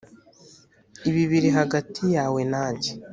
ibi biri hagati yawe nanjye